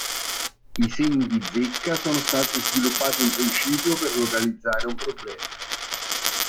I segni di zecca sono stati sviluppati in principio per localizzare un problema.